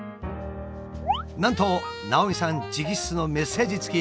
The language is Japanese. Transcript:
なんと直見さん直筆のメッセージ付き。